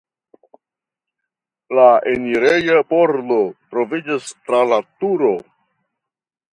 La enireja pordo troviĝas tra la turo.